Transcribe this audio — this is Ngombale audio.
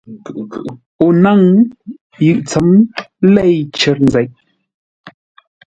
O nâŋ: yʉʼ tsəm lêi cər nzeʼ.